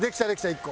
１個。